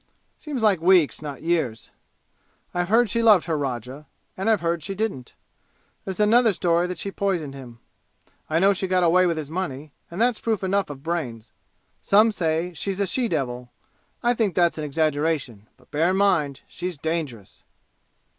seems like weeks, not years! I've heard she loved her rajah. And I've heard she didn't! There's another story that she poisoned him. I know she got away with his money and that's proof enough of brains! Some say she's a she devil. I think that's an exaggeration, but bear in mind she's dangerous!"